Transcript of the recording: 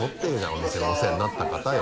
お店のお世話になった方よ。